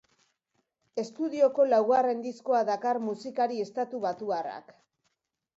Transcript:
Estudioko laugarren diskoa dakar musikari estatubatuarrak.